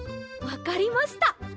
わかりました。